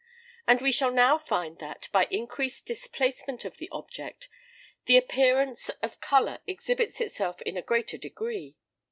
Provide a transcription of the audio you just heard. And we shall now find that, by increased displacement of the object, the appearance of colour exhibits itself in a greater degree.